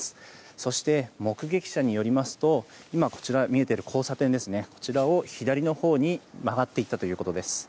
そして、目撃者によりますとこちらの交差点左のほうに曲がっていったということです。